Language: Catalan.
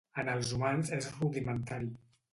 En els humans és rudimentari.